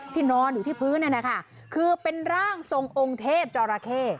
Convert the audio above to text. นอนอยู่ที่พื้นนั่นนะคะคือเป็นร่างทรงองค์เทพจอราเข้